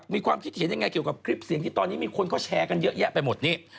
มีความคิดเห็นยังไงเกี่ยวกับคลิปเสียงที่ตอนนี้มีคนเขาแชร์กันเยอะแยะไปหมดนี่